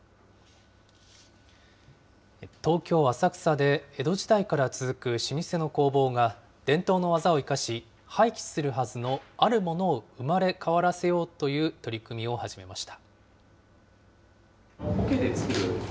東京・浅草で江戸時代から続く老舗の工房が、伝統の技を生かし、廃棄するはずのあるものを生まれ変わらせようという取り組みを始めました。